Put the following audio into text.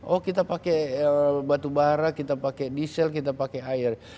oh kita pakai batu bara kita pakai diesel kita pakai air